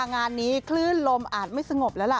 งานนี้คลื่นลมอาจไม่สงบแล้วล่ะ